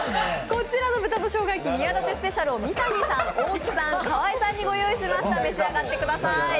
こちらの豚の生姜焼き宮舘スペシャルを、三谷さん、大木さん河井さんにご用意しました、召し上がってください。